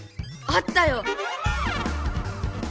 あったよ！